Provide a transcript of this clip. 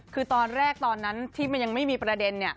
คือตอนแรกตอนนั้นที่มันยังไม่มีประเด็น